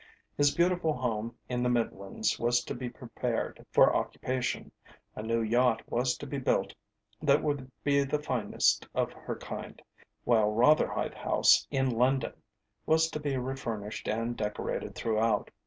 His beautiful home in the Midlands was to be prepared for occupation, a new yacht was to be built that would be the finest of her kind, while Rotherhithe House, in London, was to be refurnished and decorated throughout.